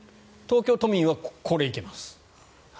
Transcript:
東京都民はこれ行けます。